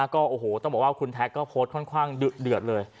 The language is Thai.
ก็โอ้โหต้องบอกว่าคุณแท็กก็โพสต์ค่อนข้างเดือดเลย